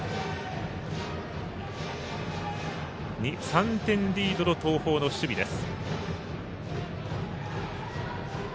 ３点リードの東邦の守備です。